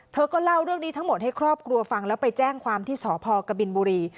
เธอก็เล่าเรื่องนี้ทั้งหมดให้ครอบครัวฟังแล้วไปแจ้งความที่สพกบินบุรี